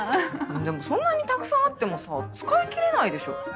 でもそんなにたくさんあってもさ使い切れないでしょ？